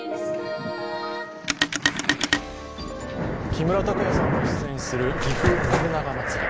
木村拓哉さんが出演するぎふ信長まつり。